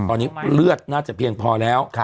ตอนนี้เลือดน่าจะเพียงพอแล้ว